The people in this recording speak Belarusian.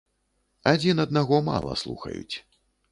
Адзін аднаго мала слухаюць.